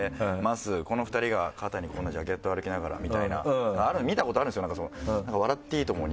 この２人が肩にこんなジャケット歩きながらみたいなああいうの見たことあるんですよ。